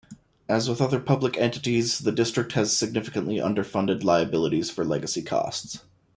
As with other public entities, the District has significantly underfunded liabilities for legacy costs.